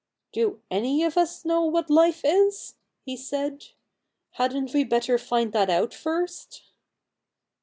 ' Do any of us know what life is ?' he said. ' Hadn't we better find that out first